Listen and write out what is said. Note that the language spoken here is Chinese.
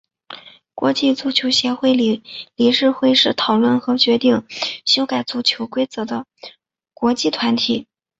国际足球协会理事会是讨论和决定修改足球规则的国际团体。